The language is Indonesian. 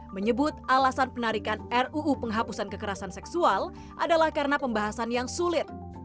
menyebut alasan penarikan ruu penghapusan kekerasan seksual adalah karena pembahasan yang sulit